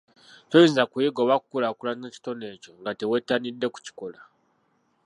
Toyinza kuyiga oba kukulaakulanya kitone ekyo nga tewettanidde kukikola.